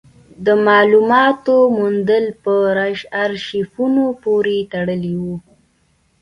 د مالوماتو موندل په ارشیفونو پورې تړلي وو.